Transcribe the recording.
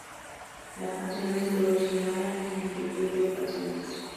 La canción ha sido versionada en multitud de ocasiones.